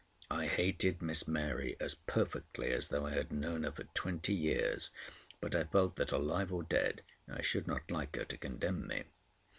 I hated Miss Mary as perfectly as though I had known her for twenty years, but I felt that, alive or dead, I should not like her to condemn me.